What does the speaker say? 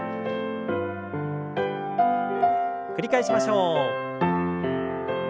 繰り返しましょう。